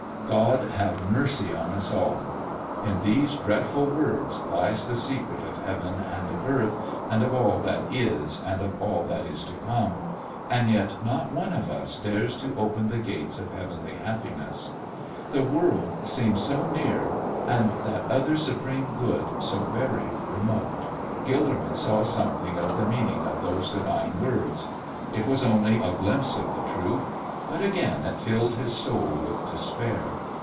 God have mercy on us all! In these dreadful words lies the secret of heaven and of earth and of all that is and of all that is to come, and yet not one of us dares to open the gates of heavenly happiness. The world seems so near and that other supreme good so very remote. Gilderman saw something of the meaning of those divine words; it was only a glimpse of the truth, but again it filled his soul with despair.